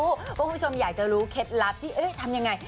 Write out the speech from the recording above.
คุณผู้ชมอยากจะรู้เคล็ดลับที่ทำยังไง